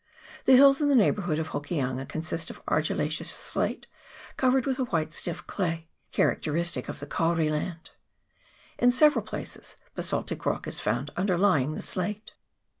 The hills in the neighbourhood of Hokianga consist of argillaceous slate, covered with a white stiff clay, characteristic of the kauri land. In VOL. i. R 242 HOKIANGA. [PART n, several places basaltic rock is found underlying the slate.